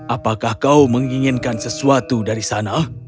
apakah kau menginginkan sesuatu dari sana